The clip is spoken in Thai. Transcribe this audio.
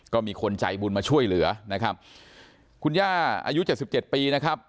ก็มีคนใจบุญมาช่วยเหลือนะครับคุณย่าอายุ๗๗ปีนะครับ